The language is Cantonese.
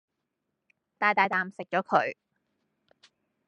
大大啖食左佢